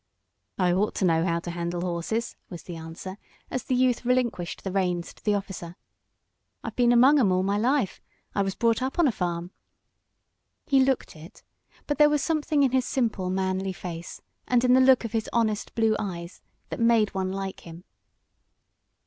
"I ought to know how to handle horses," was the answer, as the youth relinquished the reins to the officer. "I've been among 'em all my life. I was brought up on a farm." He looked it, but there was something in his simple, manly face, and in the look of his honest blue eyes, that made one like him.